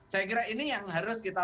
saya kira ini yang harus kita